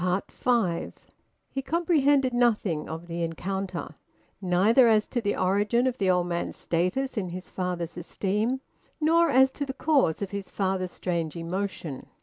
FIVE. He comprehended nothing of the encounter; neither as to the origin of the old man's status in his father's esteem, nor as to the cause of his father's strange emotion.